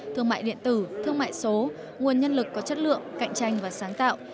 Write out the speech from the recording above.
thương mại điện tử thương mại số nguồn nhân lực có chất lượng cạnh tranh và sáng tạo